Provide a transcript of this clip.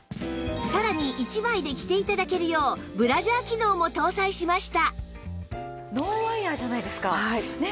さらに１枚で着て頂けるようブラジャー機能も搭載しました